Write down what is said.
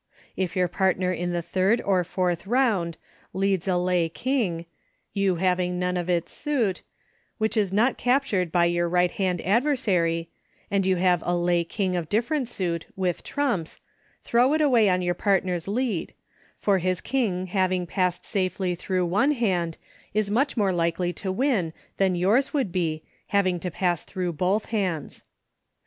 If your partner in the third or fourth round leads a lay King (you having none of its suit) which is not captured by your right hand ad versary, and you have a lay King of different suit, with trumps, throw it away on your part ner's lead, for his King having passed safely through one hand is much more likely to win than yours would be, having to pass through both hands.